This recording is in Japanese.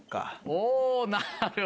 おぉなるほど。